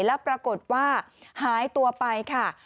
แล้วปรากฏว่าหายตัวไปค่ะ